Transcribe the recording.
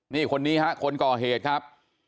นี่คนนี้ฮะคนก่อเหตุครับ